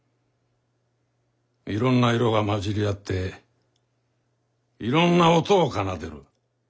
いろんな色が混じり合っていろんな音を奏でる。